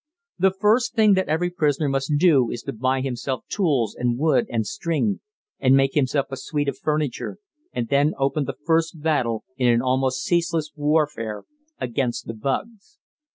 The first thing that every prisoner must do is to buy himself tools and wood and string, and make himself a suite of furniture, and then open the first battle in an almost ceaseless warfare against the bugs.